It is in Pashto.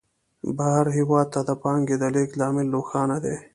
بهر هېواد ته د پانګې د لېږد لامل روښانه دی